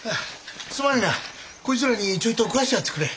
すまねえなこいつらにちょいと食わしてやってくれ。